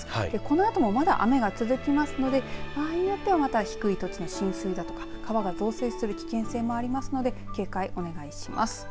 このあともまだ雨が続きますので場合によってはまた低い土地の浸水だとか川が増水する危険性もありますので警戒お願いします。